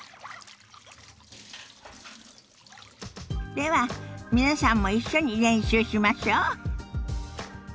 では皆さんも一緒に練習しましょ。